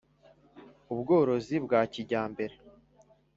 ubworozi bya kijyambere